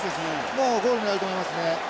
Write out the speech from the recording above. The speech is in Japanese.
もうゴール狙うと思いますね。